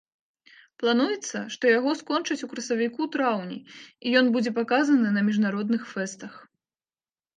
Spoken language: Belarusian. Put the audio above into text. Плануецца, што яго скончаць у красавіку-траўні і ён будзе паказаны на міжнародных фэстах.